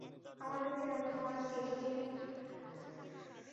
আমাদের চেনাজানা অনেক দীর্ঘদিনের।